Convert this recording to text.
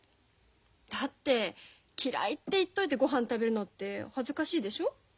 だって嫌いって言っといてごはん食べるのって恥ずかしいでしょ？